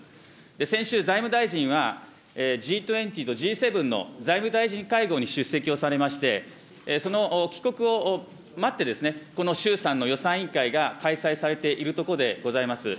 先週、財務大臣は、Ｇ２０とＧ７の財務大臣会合に出席をされまして、その帰国を待って、この衆参の予算委員会が開催されているところでございます。